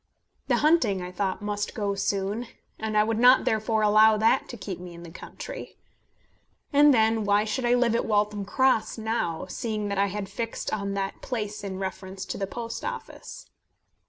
The hunting, I thought, must soon go, and I would not therefore allow that to keep me in the country. And then, why should I live at Waltham Cross now, seeing that I had fixed on that place in reference to the Post Office?